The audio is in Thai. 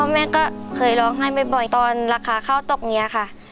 พ่อแม่ก็เคยร้องให้บ่อยตอนราคาเข้าตกนี้ค่ะ